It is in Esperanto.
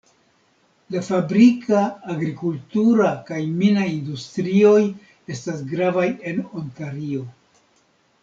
La fabrika, agrikultura kaj mina industrioj estas gravaj en Ontario.